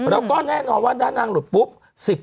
เราก็แน่นอนว่านางหลุดปุ๊บ